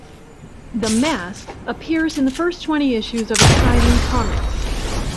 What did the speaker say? The Mask appears in the first twenty issues of "Exciting Comics".